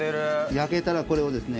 焼けたらこれをですね